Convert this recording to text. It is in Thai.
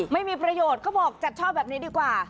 ไม่มีประโยชน์เขาบอกจัดชอบแบบนี้ดีกว่า